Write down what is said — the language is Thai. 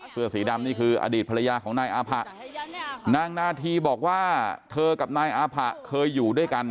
เสื้อสีดำนี่คืออดีตภรรยาของนายอาผะนางนาธีบอกว่าเธอกับนายอาผะเคยอยู่ด้วยกัน